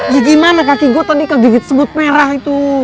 ya gimana kaki gue tadi kegigit semut merah itu